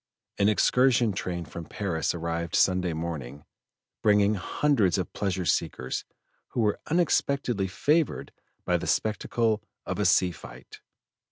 An excursion train from Paris arrived Sunday morning, bringing hundreds of pleasure seekers who were unexpectedly favored by the spectacle of a sea fight.